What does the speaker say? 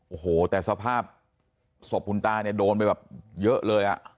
โอ้โหแต่สภาพศพคุณตาเนี่ยโดนไปแบบเยอะเลยอ่ะ